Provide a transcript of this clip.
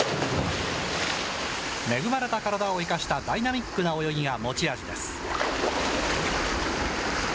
恵まれた体を生かしたダイナミックな泳ぎが持ち味です。